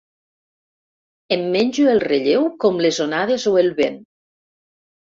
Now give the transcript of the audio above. Em menjo el relleu com les onades o el vent.